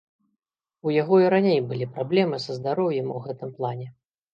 У яго і раней былі праблемы са здароўем у гэтым плане.